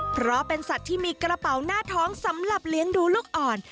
เพราะเป็นสัตว์ที่มีกระเป๋าหน้าท้องสำหรับเลี้ยงดูลูกอ่อน